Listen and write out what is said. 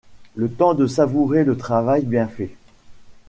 Le temps de savourer le travail bien fait.